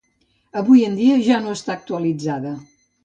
Avui en dia ja no està actualitzada.